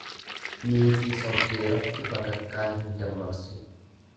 Niitii sobdee raftu bakakkaan hin dammaqsu.